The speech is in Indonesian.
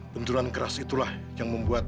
benturan keras itulah yang membuat